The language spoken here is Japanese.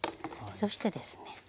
そしてですね。